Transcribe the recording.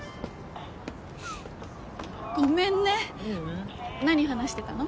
ごめんね何話してたの？